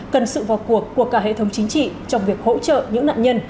cần sự vào cuộc của cả hệ thống chính trị trong việc hỗ trợ những nạn nhân